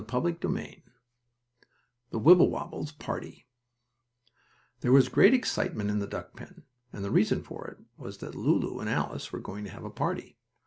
STORY XXIV THE WIBBLEWOBBLES' PARTY There was great excitement in the duck pen. And the reason for it was that Lulu and Alice were going to have a party.